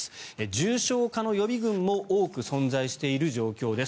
重症化の予備軍も多く存在している状況です。